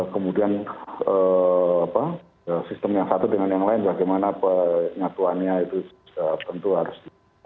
kemudian sistem yang satu dengan yang lain bagaimana penyatuannya itu tentu harus